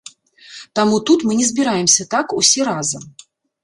Таму тут мы не збіраемся так, усе разам.